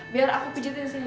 biar aku pijetin sehatnya